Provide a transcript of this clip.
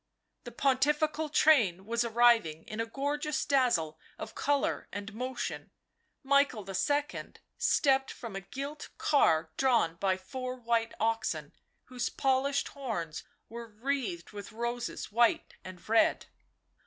The Pontifical train was arriving in a gorgeous dazzle of colour and motion. Michael II. stepped from a gilt car drawn by four white oxen, whose polished horns were wreathed with roses white and red.